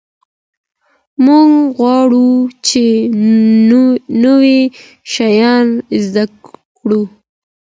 موږ غواړو چي نوي شيان زده کړو.